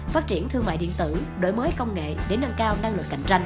phát triển thương mại điện tử đổi mới công nghệ để nâng cao năng lực cạnh tranh